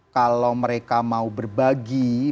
kalau mereka mau berbagi